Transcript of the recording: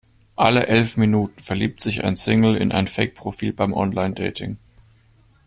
Alle elf Minuten verliebt sich ein Single in ein Fake-Profil beim Online-Dating.